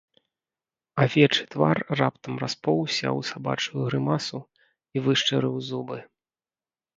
Авечы твар раптам распоўзся ў сабачую грымасу і вышчарыў зубы.